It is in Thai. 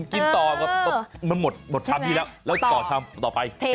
กินต่อมันหมดชามที่แล้วแล้วต่อชามต่อไป